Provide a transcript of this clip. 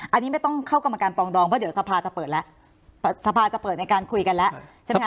อันนี้ไม่ต้องเข้ากรรมการปองดองเพราะเดี๋ยวสภาจะเปิดในการคุยกันแล้ว